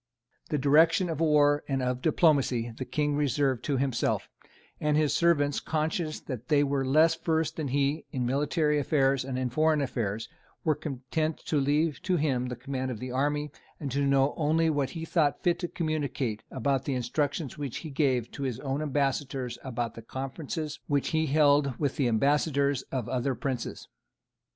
The direction of war and of diplomacy the King reserved to himself; and his servants, conscious that they were less versed than he in military affairs and in foreign affairs, were content to leave to him the command of the army, and to know only what he thought fit to communicate about the instructions which he gave to his own ambassadors and about the conferences which he held with the ambassadors of other princes.